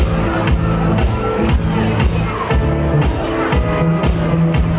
ไม่ต้องถามไม่ต้องถาม